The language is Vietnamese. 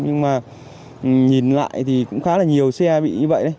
nhưng mà nhìn lại thì cũng khá là nhiều xe bị như vậy đấy